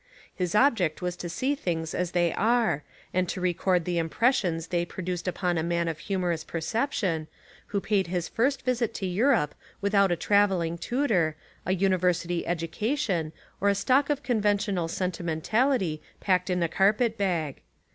His object was to see things as they are and record the impres sions they produced upon a man of humorous per ception, who paid his first visit to Europe without a travelling tutor, a university education or a stock of conventional sentimentality packed in a carpet bag.